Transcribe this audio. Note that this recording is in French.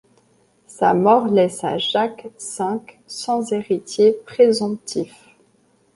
Sa mort laissa Jacques V sans héritier présomptif.